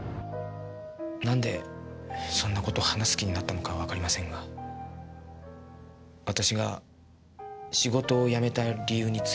なんでそんな事を話す気になったのかはわかりませんが私が仕事を辞めた理由について話したんです。